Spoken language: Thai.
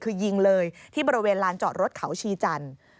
คือยิงเลยที่บริเวณลานจอดรถเขาชีจันทร์